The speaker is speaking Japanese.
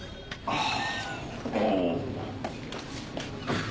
ああ。